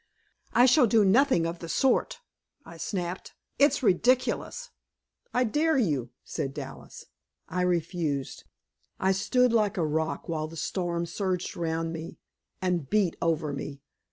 "I shall do nothing of the sort!" I snapped. "It's ridiculous!" "I dare you!" said Dallas. I refused. I stood like a rock while the storm surged around me and beat over me.